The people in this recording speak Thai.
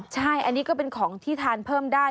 ใช่อันนี้ก็เป็นของที่ทานเพิ่มได้